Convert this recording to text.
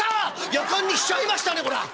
「やかんにしちゃいましたねこらあ」。